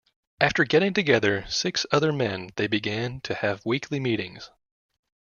After getting together six other men they began to have weekly meetings.